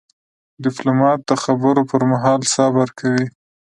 ډيپلومات د خبرو پر مهال صبر کوي.